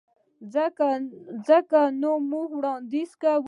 ځکه نو موږ وړانديز کوو.